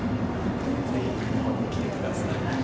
ぜひ日本に来てください。